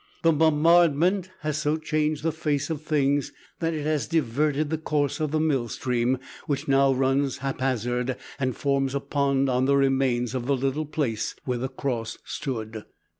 The bombardment has so changed the face of things that it has diverted the course of the millstream, which now runs haphazard and forms a pond on the remains of the little place where the cross stood.